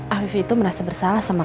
afif itu merasa bersalah sama mama